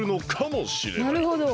なるほど。